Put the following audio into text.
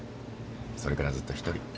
それからずっと一人。